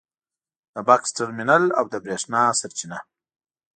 د بکس ترمینل او د برېښنا سرچینه